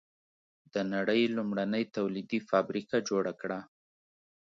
د نړۍ لومړنۍ تولیدي فابریکه جوړه کړه.